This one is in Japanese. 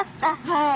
はい。